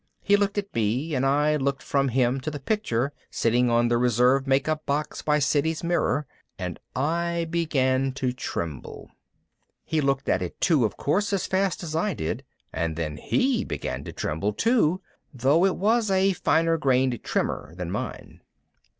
He looked at me and I looked from him to the picture sitting on the reserve makeup box by Siddy's mirror. And I began to tremble. He looked at it too, of course, as fast as I did. And then he began to tremble too, though it was a finer grained tremor than mine.